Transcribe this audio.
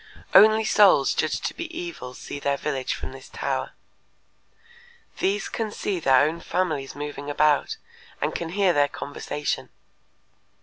Only souls judged to be evil see their village from this tower. These can see their own families moving about, and can hear their conversation.